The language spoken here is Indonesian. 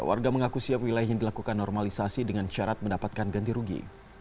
warga mengaku siap wilayahnya dilakukan normalisasi dengan syarat mendapatkan ganti rugi